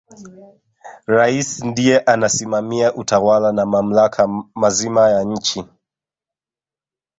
rais ndiye anasimamia utawala na mamlaka mazima ya nchi